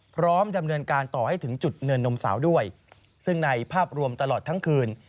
พร้อมดำเนินการต่อให้ถึงจุดเนินนมสาวด้วยซึ่งในภาพรวมตลอดทั้งคืน